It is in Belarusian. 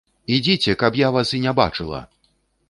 Ідзіце, каб я вас і не бачыла!